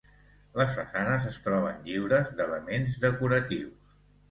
Les façanes es troben lliures d'elements decoratius.